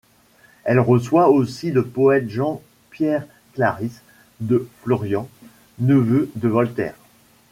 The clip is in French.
Elle reçoit aussi le poète Jean-Pierre Claris de Florian, neveu de Voltaire.